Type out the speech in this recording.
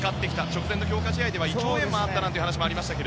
直前の強化試合では胃腸炎もあったなんて話もありましたが。